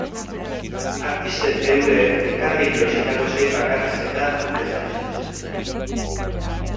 Artistek eurek elkarrekin jositako sei bakarrizketa aurkezten dituzte.